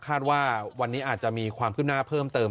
คาดว่าวันนี้อาจจะมีความขึ้นหน้าเพิ่มเติม